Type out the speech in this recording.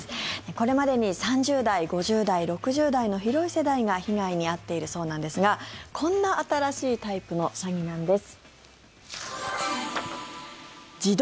これまでに３０代、５０代、６０代の広い世代が被害に遭っているそうなんですがこんな新しいタイプの詐欺なんです。